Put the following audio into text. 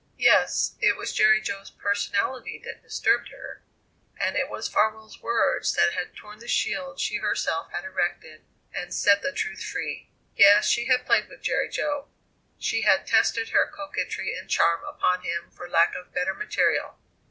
Yes, it was Jerry Jo's personality that disturbed her, and it was Farwell's words that had torn the shield she herself had erected, and set the truth free. Yes, she had played with Jerry Jo; she had tested her coquetry and charm upon him for lack of better material.